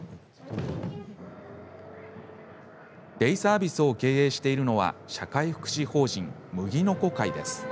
デイサービスを経営しているのは社会福祉法人「麦の子会」です。